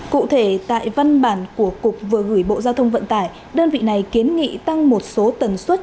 cụ thể tại văn bản của cục vừa gửi bộ giao thông vận tải đơn vị này kiến nghị tăng một số tần suất